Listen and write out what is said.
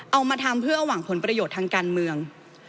เอามาทำเพื่อหวังผลประโยชน์ทางการเมือง